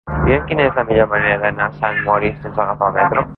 Mira'm quina és la millor manera d'anar a Sant Mori sense agafar el metro.